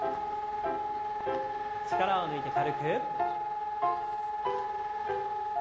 力を抜いて軽く。